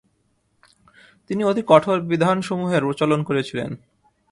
তিনি অতি কঠোর বিধানসমূহের প্রচলন করেছিলেন।